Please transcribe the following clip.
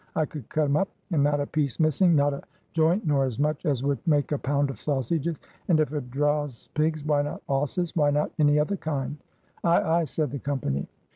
I could cut 'em up, and not a piece missing; not a joint, nor as much as would make a pound of sausages. And if a draas pigs, why not osses, why not any other kind?" "Ay, ay!" said the company.